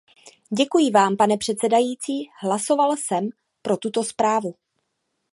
Děkuji vám, pane předsedající, hlasoval jsem pro tuto zprávu.